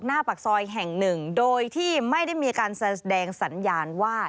หน้าปากซอยแห่งหนึ่งโดยที่ไม่ได้มีการแสดงสัญญาณว่า